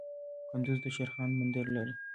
کندز د شیرخان بندر لري